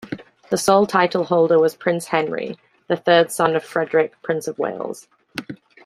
The sole title-holder was Prince Henry, the third son of Frederick, Prince of Wales.